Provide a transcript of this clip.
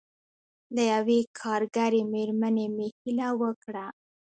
له یوې کارګرې مېرمنې مې هیله وکړه.